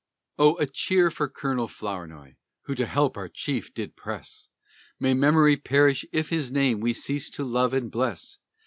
Oh! a cheer for Colonel Flournoy, who to help our chief did press, May memory perish if his name we cease to love and bless!